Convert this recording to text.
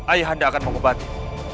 ayahanda akan mengubati